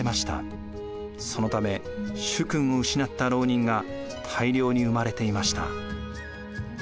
そのため主君を失った牢人が大量に生まれていました。